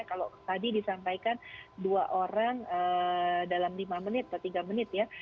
kalau tadi disampaikan dua orang dalam lima menit atau tiga menit ya